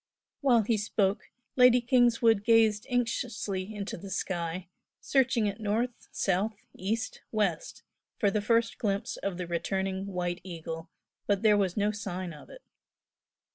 While he spoke Lady Kingswood gazed anxiously into the sky, searching it north, south, east, west, for the first glimpse of the returning "White Eagle," but there was no sign of it.